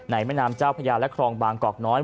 แม่น้ำเจ้าพญาและครองบางกอกน้อย